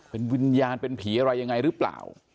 เป็นวิญญาณเป็นผีอะไรยังไงหรือเปล่า